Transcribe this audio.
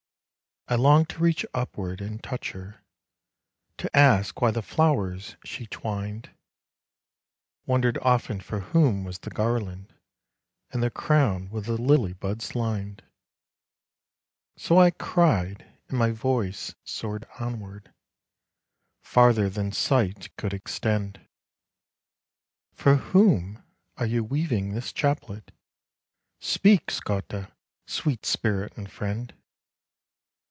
I longed to reach upward and touch her, To ask why the flowers she twined; Wondered often for whom was the garland, And the crown with the lily buds lined. So I cried and my voice soared onward Farther than sight could extend "For whom are you weaving this chaplet? Speak, Scotta! sweet spirit and friend."